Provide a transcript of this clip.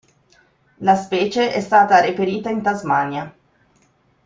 La specie è stata reperita in Tasmania.